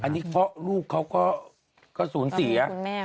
อันนี้พอลูกเขาก็ศูนย์เสีย